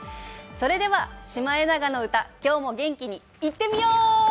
それでは「シマエナガの歌」今日も元気にいってみよ！